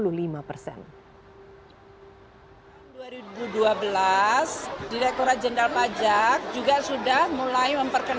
hai bemar moi